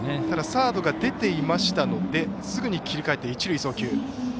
ただ、サードが出ていましたのですぐ切り替えて一塁送球。